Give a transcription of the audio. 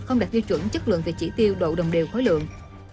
không đạt tiêu chuẩn chất lượng về chỉ tiêu độ đồng đều khối lượng